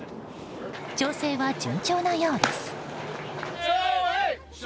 調整は順調なようです。